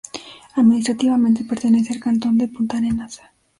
Administrativamente pertenece al cantón de Puntarenas.